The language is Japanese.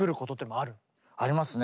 ありますね。